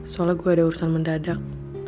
soalnya gue ada urusan mendadak